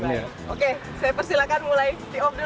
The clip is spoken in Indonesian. oke saya persilakan mulai di obrolan